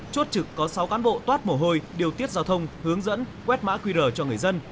chốt trực có sáu cán bộ toát mồ hôi điều tiết giao thông hướng dẫn quét mã qr cho người dân